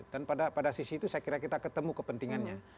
dan pada sisi itu saya kira kita ketemu kepentingannya